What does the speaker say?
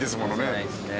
出せないですね。